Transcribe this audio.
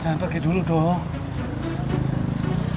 jangan pake dulu doh